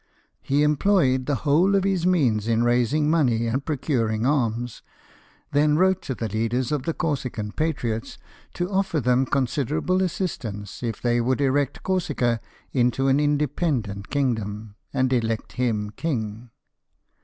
He employed the whole of his means in raising money and procuring arms ; then wrote to the leaders of the Corsican patriots to offer them considerable assist ance if they would erect Corsica into an independent THEODORE, 59 kingdom, and elect him king.